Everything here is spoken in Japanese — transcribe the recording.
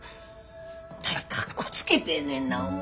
何かっこつけてんねんな。